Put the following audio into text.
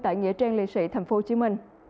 và nghĩa trang liệt sĩ tp hcm